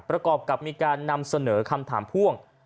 ประกอบกับมีการนำเสนอคำถามพ่วง